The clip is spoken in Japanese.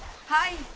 はい。